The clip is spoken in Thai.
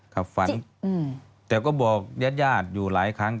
ครับฝันแต่ก็บอกญาติญาติอยู่หลายครั้ง